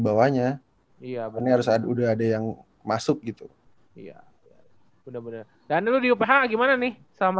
bawahnya iya bener saat udah ada yang masuk gitu iya udah udah dan dulu di upah gimana nih selama